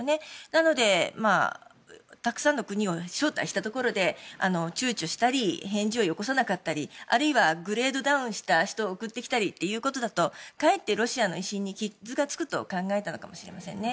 なので、たくさんの国を招待したところで躊躇したり返事をよこさなかったりあるいはグレードダウンした人を送ってきたりということだとかえってロシアの威信に傷がつくと考えたのかもしれませんね。